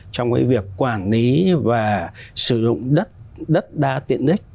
trong cái việc quản lý và sử dụng đất đất đa tiện ích